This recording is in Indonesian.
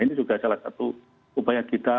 ini juga salah satu upaya kita